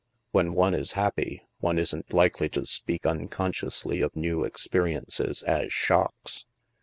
When one is happy, one isn't likely to speak unconsciously of new experiences as " shocks."